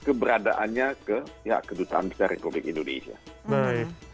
jadi masih ada warga indonesia yang belum mendaftarkan ke kedutaan besar republik indonesia itu seribu tiga ratus lebih